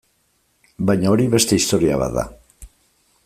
Baina hori beste historia bat da.